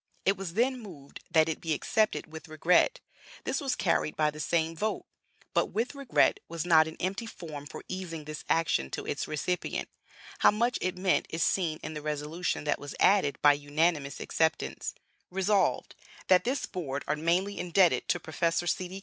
It was then moved that it be accepted 'with regret:' this was carried by the same vote! But 'with regret' was not an empty form for easing this action to its recipient; how much it meant is seen in the resolution that was added by unanimous acceptance: "Resolved, That this Board are mainly indebted to Professor C.